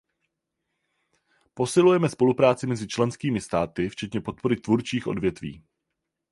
Posilujeme spolupráci mezi členskými státy včetně podpory tvůrčích odvětví.